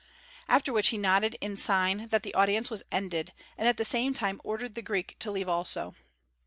After which he nodded in sign that the audience was ended and at the same time ordered the Greek to leave also.